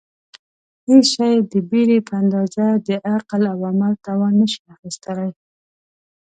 هېڅ شی د بېرې په اندازه د عقل او عمل توان نشي اخیستلای.